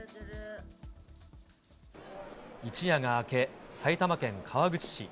一夜が明け、埼玉県川口市。